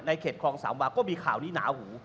เขตคลองสามวาก็มีข่าวนี้หนาหู